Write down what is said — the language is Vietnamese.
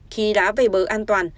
khi đã về bờ an toàn